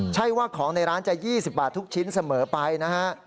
ใช่ว่าของในร้านจะ๒๐บาททุกชิ้นเสมอไปนะฮะ